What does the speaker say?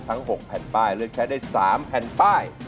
๖แผ่นป้ายเลือกใช้ได้๓แผ่นป้าย